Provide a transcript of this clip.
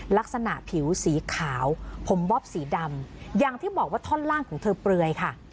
ลักษณะผิวสีขาวผมบ๊อบสีดำอย่างที่บอกว่าท่อนล่างของเธอเปลือยค่ะ